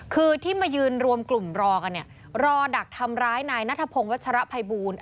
คือที่มายืนรวมกลุ่มรอกันเนี่ยรอดักทำร้ายนายนัทพงศ์วัชรภัยบูล